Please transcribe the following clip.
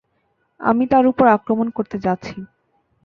আমি তার উপর আক্রমণ করতে যাচ্ছি।